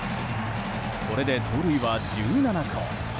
これで盗塁は１７個。